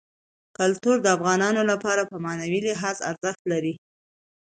کلتور د افغانانو لپاره په معنوي لحاظ ارزښت لري.